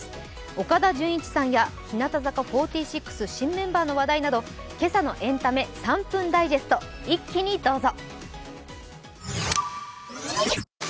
岡田准一さんや日向坂４６新メンバーの話題など、今朝のエンタメ３分ダイジェスト、一気にどうぞ。